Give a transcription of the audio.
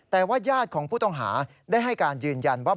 แต่ว่าญาติของผู้ต้องหาได้ให้การยืนยันว่า